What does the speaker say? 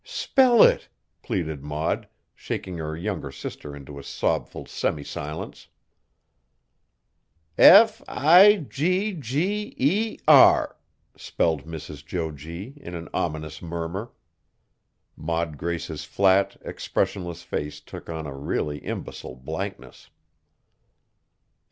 "Spell it!" pleaded Maud, shaking her younger sister into a sobful semi silence. "F i g g e r!" spelled Mrs. Jo G. in an ominous murmur. Maud Grace's flat, expressionless face took on a really imbecile blankness.